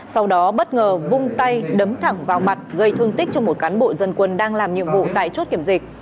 sau đó bất ngờ vung tay đấm thẳng vào mặt gây thương tích cho một cán bộ dân quân đang làm nhiệm vụ tại chốt kiểm dịch